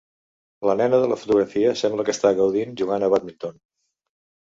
La nena de la fotografia sembla que està gaudint jugant a bàdminton.